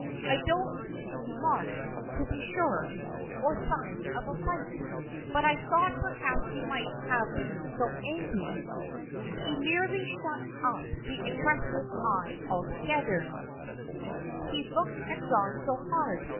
I don't see any marks to be sure or signs of a fight, but I thought perhaps you might have been so angry " He nearly shut up the expressive eye altogether, he looked at John so hard.